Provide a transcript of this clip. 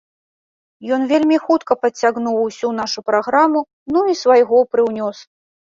Ён вельмі хутка падцягнуў усю нашу праграму, ну, і свайго прыўнёс.